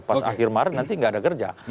pas akhir maret nanti nggak ada kerja